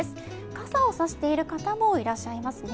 傘を差している方もいらっしゃいますね。